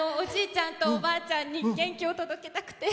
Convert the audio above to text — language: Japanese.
ちゃんとおばあちゃんに元気を届けたくて。